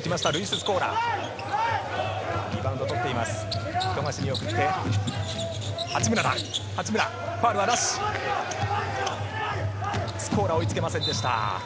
スコーラ、追いつけませんでした。